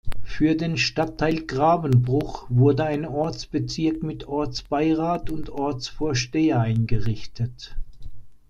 Für den Stadtteil Gravenbruch wurde ein Ortsbezirk mit Ortsbeirat und Ortsvorsteher eingerichtet.